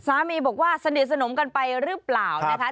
สามีบอกว่าสนิทสนมกันไปหรือเปล่านะคะ